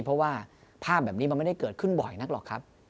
เพราะว่าภาพแบบนี้มันไม่ได้เกิดขึ้นบ่อยนักหรอกครับ